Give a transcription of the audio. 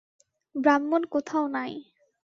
ব্রাহ্মণ কোথাও নাই।